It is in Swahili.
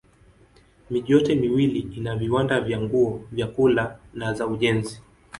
Miji yote miwili ina viwanda vya nguo, vyakula na za ujenzi.